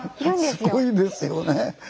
すごいですよね。